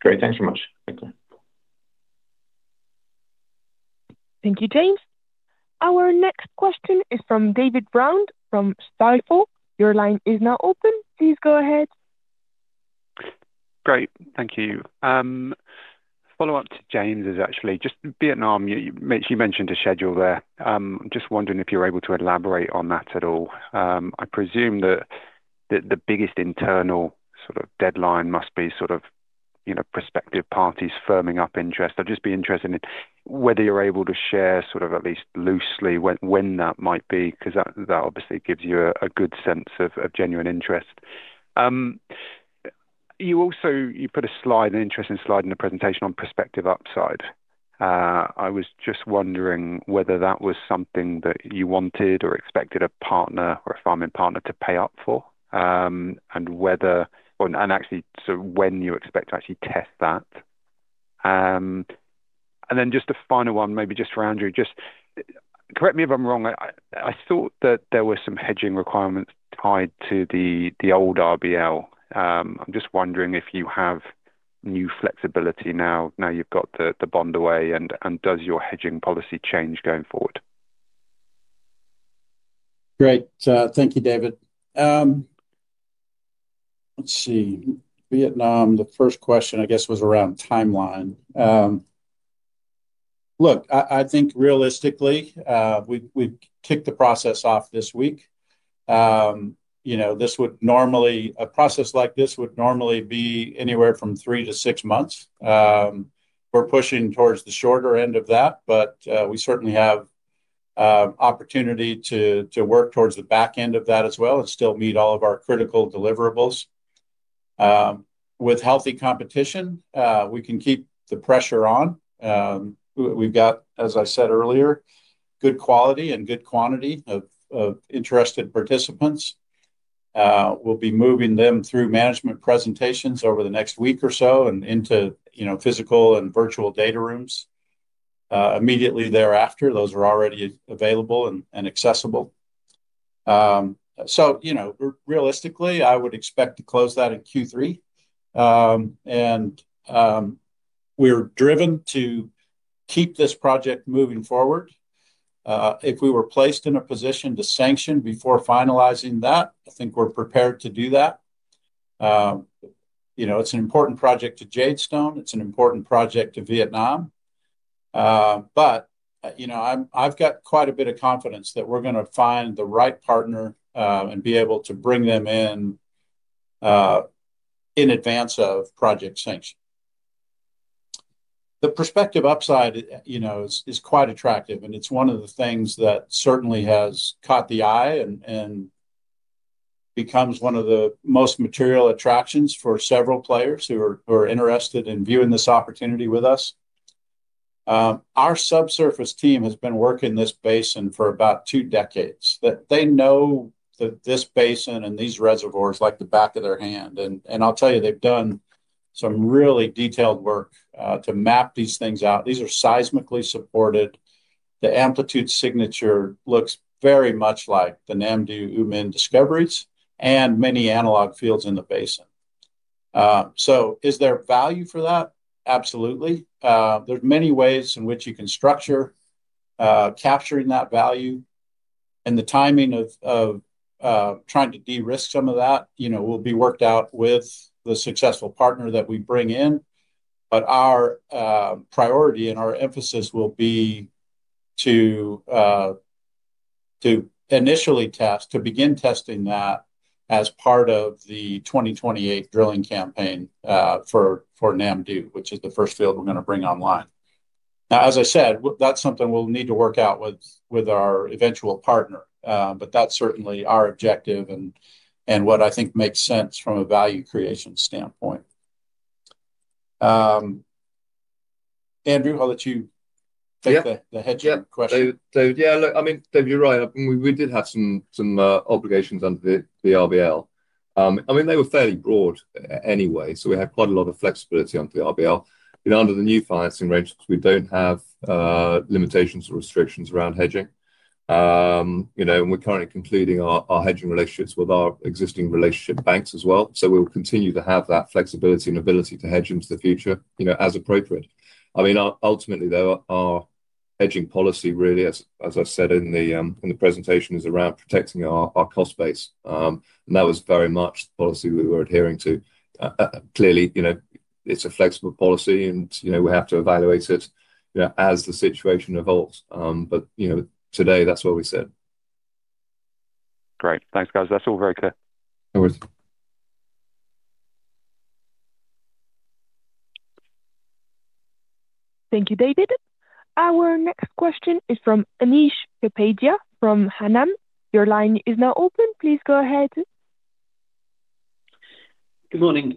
Great. Thanks so much. Thank you. Thank you, James. Our next question is from David Round from Stifel. Great. Thank you. Follow-up to James is actually just Vietnam. You mentioned a schedule there. Just wondering if you're able to elaborate on that at all. I presume that the biggest internal sort of deadline must be sort of, you know, prospective parties firming up interest. I'd just be interested in whether you're able to share sort of at least loosely when that might be, because that obviously gives you a good sense of genuine interest. You also, you put a slide, an interesting slide in the presentation on prospective upside. I was just wondering whether that was something that you wanted or expected a partner or a farm-in partner to pay up for, and actually sort of when you expect to actually test that. Just a final one, maybe just for Andrew. Just correct me if I'm wrong. I thought that there were some hedging requirements tied to the old RBL. I'm just wondering if you have new flexibility now you've got the bond away, and does your hedging policy change going forward? Great. Thank you, David. Let's see. Vietnam, the first question I guess, was around timeline. Look, I think realistically, we kicked the process off this week. You know, this would normally a process like this would normally be anywhere from three to six months. We're pushing towards the shorter end of that, but we certainly have opportunity to work towards the back end of that as well and still meet all of our critical deliverables. With healthy competition, we can keep the pressure on. We've got, as I said earlier, good quality and good quantity of interested participants. We'll be moving them through management presentations over the next week or so and into, you know, physical and virtual data rooms immediately thereafter. Those are already available and accessible. You know, realistically, I would expect to close that in Q3. We're driven to keep this project moving forward. If we were placed in a position to sanction before finalizing that, I think we're prepared to do that. You know, it's an important project to Jadestone. It's an important project to Vietnam, but you know, I'm, I've got quite a bit of confidence that we're gonna find the right partner and be able to bring them in in advance of project sanction. The prospective upside, you know, is quite attractive, and it's one of the things that certainly has caught the eye and becomes one of the most material attractions for several players who are interested in viewing this opportunity with us. Our subsurface team has been working this basin for about two decades. That they know the, this basin and these reservoirs like the back of their hand, and I'll tell you, they've done some really detailed work to map these things out. These are seismically supported. The amplitude signature looks very much like the Nam Du U Minh discoveries and many analog fields in the basin. Is there value for that? Absolutely. There's many ways in which you can structure capturing that value and the timing of trying to de-risk some of that, you know, will be worked out with the successful partner that we bring in. Our priority and our emphasis will be to initially test, to begin testing that as part of the 2028 drilling campaign for Nam Du, which is the first field we're gonna bring online. As I said, that's something we'll need to work out with our eventual partner. That's certainly our objective and what I think makes sense from a value creation standpoint. Andrew, I'll let you take the hedging question. David, you're right. I mean, we did have some obligations under the RBL. I mean, they were fairly broad anyway, we had quite a lot of flexibility under the RBL. Under the new financing arrangements, we don't have limitations or restrictions around hedging. You know, we're currently concluding our hedging relationships with our existing relationship banks as well, so we'll continue to have that flexibility and ability to hedge into the future, you know, as appropriate. I mean, ultimately, though, our hedging policy really, as I said in the presentation, is around protecting our cost base, and that was very much the policy we were adhering to. Clearly, you know, it's a flexible policy and, you know, we have to evaluate it, you know, as the situation evolves, but you know, today that's what we said. Great. Thanks, guys. That's all very clear. No worries. Thank you, David. Our next question is from Anish Kapadia from Hannam. Your line is now open, please go ahead. Good morning.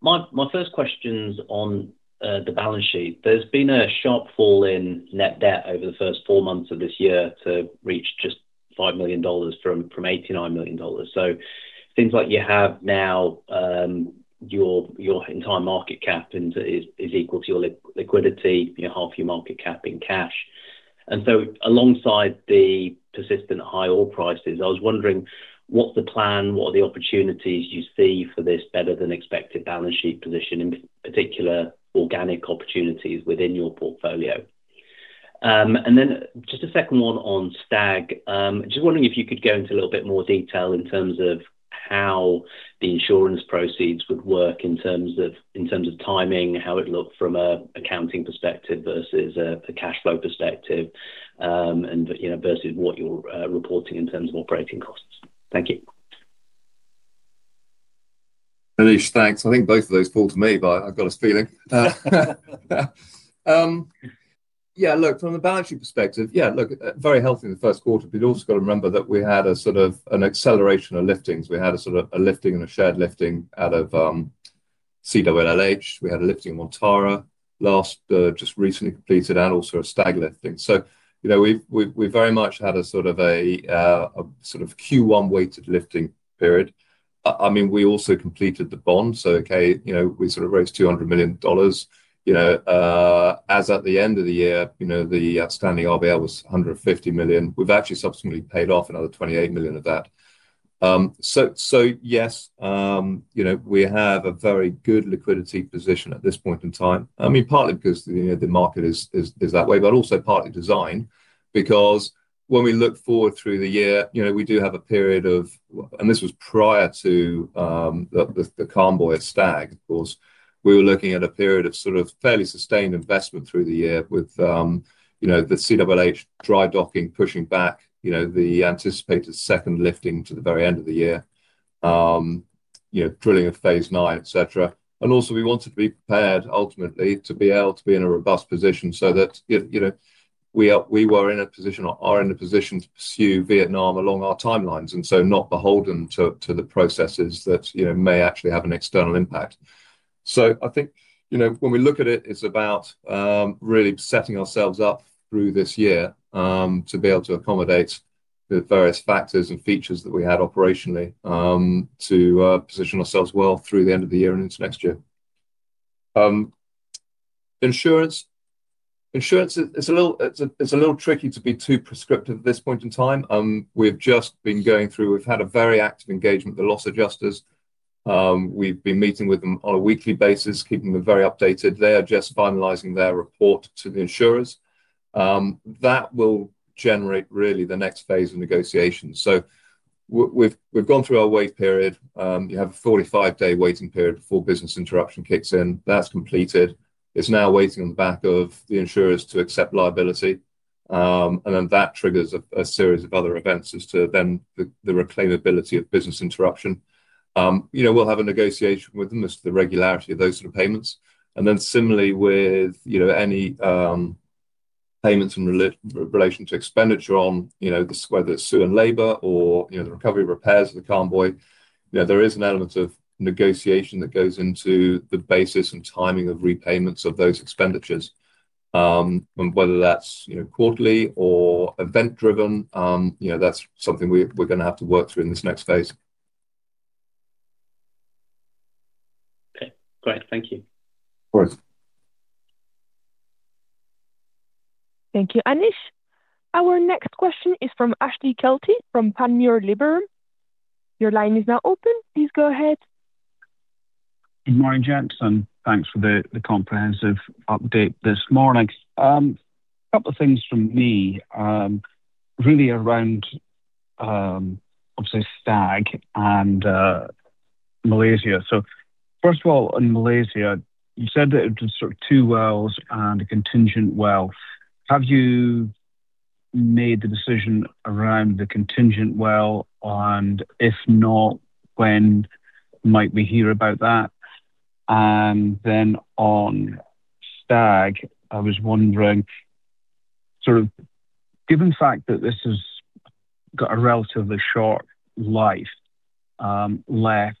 My first question's on the balance sheet. There's been a sharp fall in net debt over the first four months of this year to reach just $5 million from $89 million. Seems like you have now your entire market cap and is equal to your liquidity, you know, half your market cap in cash. Alongside the persistent high oil prices, I was wondering what are the opportunities you see for this better than expected balance sheet position, in particular organic opportunities within your portfolio? Just a second one on Stag. Just wondering if you could go into a little bit more detail in terms of how the insurance proceeds would work in terms of timing, how it looked from a accounting perspective versus a cashflow perspective, you know, versus what you're reporting in terms of operating costs. Thank you. Anish, thanks. I think both of those fall to me by a gut feeling. From a balance sheet perspective, very healthy in the Q1, you've also got to remember that we had a sort of an acceleration of liftings. We had a sort of a lifting and a shared lifting out of CWLH. We had a lifting Montara last, just recently completed and also a Stag lifting. You know, we've very much had a sort of a Q1 weighted lifting period. I mean, we also completed the bond, okay, you know, we sort of raised $200 million. You know, as at the end of the year, you know, the outstanding RBL was $150 million. We've actually subsequently paid off another $28 million of that. Yes, we have a very good liquidity position at this point in time. Partly because the market is that way, but also partly design. When we look forward through the year, this was prior to the CALM buoy at Stag, of course. We were looking at a period of sort of fairly sustained investment through the year with the CWLH dry docking pushing back the anticipated second lifting to the very end of the year. Drilling of PM 329, et cetera. Also, we wanted to be prepared ultimately to be able to be in a robust position so that, you know, we were in a position or are in a position to pursue Vietnam along our timelines, and so not beholden to the processes that, you know, may actually have an external impact. I think, you know, when we look at it's about, really setting ourselves up through this year, to be able to accommodate the various factors and features that we had operationally, to position ourselves well through the end of the year and into next year. Insurance. Insurance is a little, it's a little tricky to be too prescriptive at this point in time. We've just been going through. We've had a very active engagement with the loss adjusters. We've been meeting with them on a weekly basis, keeping them very updated. They are just finalizing their report to the insurers. That will generate really the next phase of negotiations. We've gone through our wait period. You have a 45-day waiting period before business interruption kicks in. That's completed. It's now waiting on the back of the insurers to accept liability, and then that triggers a series of other events as to then the reclaimability of business interruption. You know, we'll have a negotiation with them as to the regularity of those sort of payments, and then similarly with, you know, any payments in relation to expenditure on, you know, this, whether it's sue and labour or, you know, the recovery repairs of the CALM buoy. You know, there is an element of negotiation that goes into the basis and timing of repayments of those expenditures. Whether that's, you know, quarterly or event-driven, you know, that's something we're gonna have to work through in this next phase. Okay. Great. Thank you. Of course. Thank you, Anish. Our next question is from Ashley Kelty from Panmure Gordon. Your line is now open. Please go ahead. Good morning, gents, and thanks for the comprehensive update this morning. A couple of things from me, really around obviously Stag and Malaysia. First of all, on Malaysia, you said that it was sort of two wells and a contingent well. Have you made the decision around the contingent well, and if not, when might we hear about that? Then on Stag, I was wondering, sort of given fact that this has got a relatively short life left,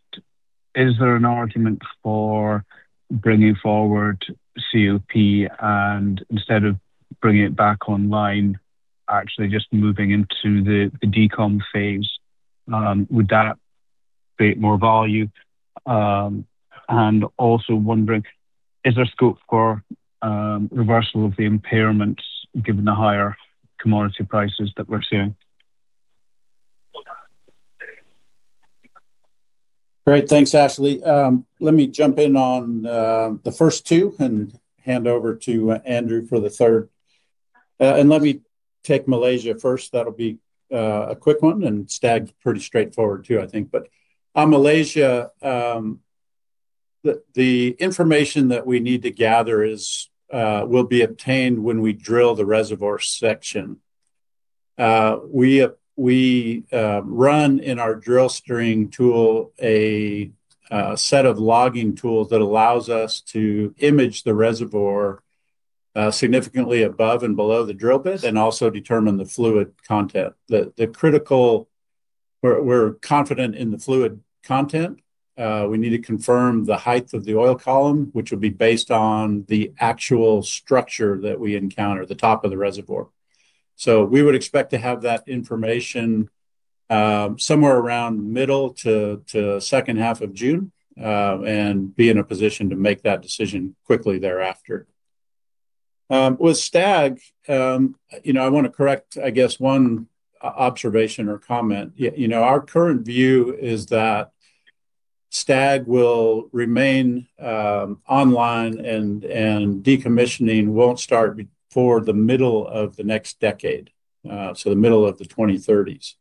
is there an argument for bringing forward COP and instead of bringing it back online, actually just moving into the decomp phase? Would that create more value? Also wondering, is there scope for reversal of the impairments given the higher commodity prices that we're seeing? Great. Thanks, Ashley. Let me jump in on the first two and hand over to Andrew for the third. Let me take Malaysia first. That'll be a quick one and Stag pretty straightforward too, I think. On Malaysia, the information that we need to gather is obtained when we drill the reservoir section. We run in our drill string tool a set of logging tools that allows us to image the reservoir significantly above and below the drill bit, and also determine the fluid content. We're confident in the fluid content. We need to confirm the height of the oil column, which would be based on the actual structure that we encounter at the top of the reservoir. So we would expect to have that information somewhere around middle to second half of June. Be in a position to make that decision quickly thereafter. With Stag, you know, I want to correct, I guess, one observation or comment. You know, our current view is that Stag will remain online and decommissioning won't start before the middle of the next decade, so the middle of the 2030s.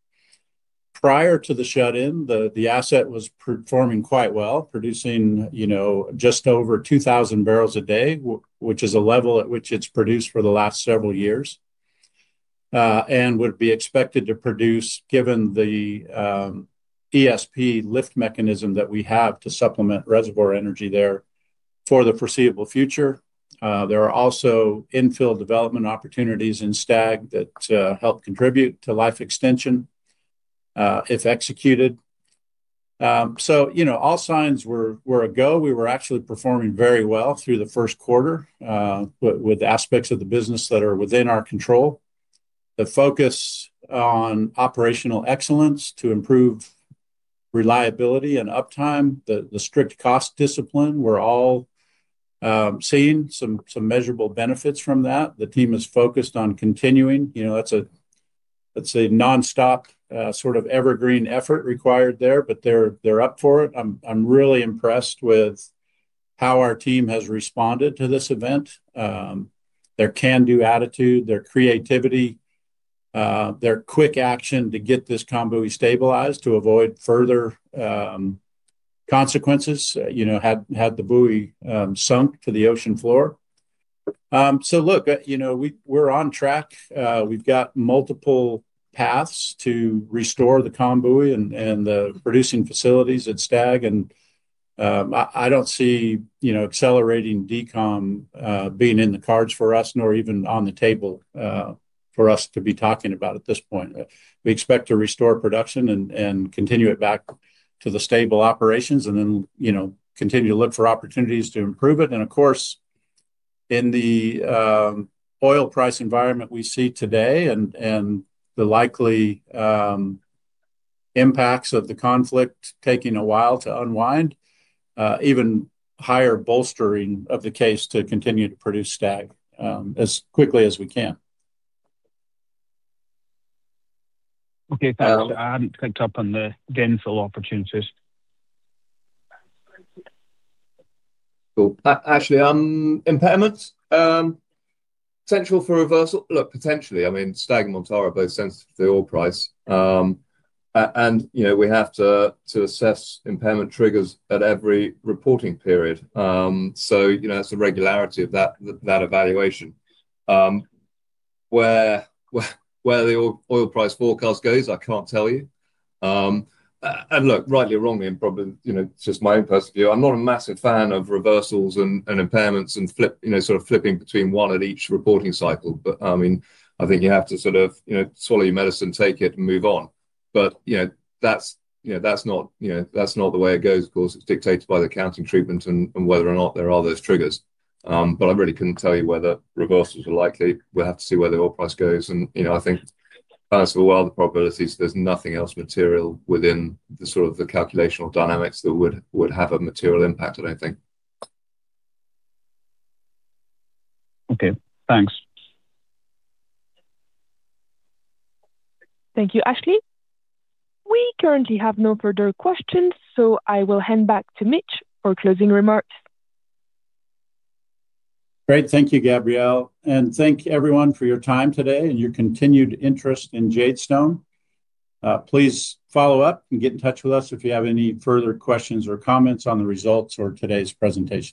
Prior to the shut-in, the asset was performing quite well, producing, you know, just over 2,000 barrels a day, which is a level at which it's produced for the last several years. Would be expected to produce, given the ESP lift mechanism that we have to supplement reservoir energy there for the foreseeable future. There are also infill development opportunities in Stag that help contribute to life extension if executed. You know, all signs were a go. We were actually performing very well through the Q1 with aspects of the business that are within our control. The focus on operational excellence to improve reliability and uptime, the strict cost discipline, we're all seeing some measurable benefits from that. The team is focused on continuing. You know, that's a nonstop sort of evergreen effort required there, but they're up for it. I'm really impressed with how our team has responded to this event. Their can-do attitude, their creativity, their quick action to get this CALM buoy stabilized to avoid further consequences, you know, had the buoy sunk to the ocean floor. You know, we're on track. We've got multiple paths to restore the CALM buoy and the producing facilities at Stag, and I don't see, you know, accelerating decom being in the cards for us, nor even on the table for us to be talking about at this point. We expect to restore production and continue it back to the stable operations, and then, you know, continue to look for opportunities to improve it. Of course, in the oil price environment we see today and the likely impacts of the conflict taking a while to unwind, even higher bolstering of the case to continue to produce Stag as quickly as we can. Okay. Thank you. I hadn't picked up on the infill opportunities. Cool. Ashley, impairments, potential for reversal. Look, potentially, I mean, Stag and Montara are both sensitive to the oil price. You know, we have to assess impairment triggers at every reporting period. You know, that's the regularity of that evaluation. Where the oil price forecast goes, I can't tell you. Look, rightly or wrongly, and probably, you know, it's just my own personal view, I'm not a massive fan of reversals and impairments and, you know, flipping between one at each reporting cycle. I mean, I think you have to sort of, you know, swallow your medicine, take it, and move on, but you know, that's not the way it goes. Of course, it's dictated by the accounting treatment and whether or not there are those triggers. I really couldn't tell you whether reversals are likely. We'll have to see where the oil price goes and, you know, I think balance of the world probabilities, there's nothing else material within the sort of the calculational dynamics that would have a material impact, I don't think. Okay. Thanks. Thank you, Ashley. We currently have no further questions. I will hand back to Mitch for closing remarks. Great. Thank you, Gabrielle. Thank everyone for your time today and your continued interest in Jadestone. Please follow up and get in touch with us if you have any further questions or comments on the results or today's presentation.